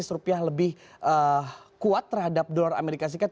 rupiah lebih kuat terhadap dolar amerika serikat